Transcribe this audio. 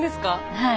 はい。